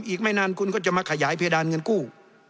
อีกไม่นานคุณก็จะมาขยายเพดานเงินกู้